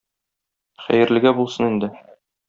Хәерлегә булсын инде.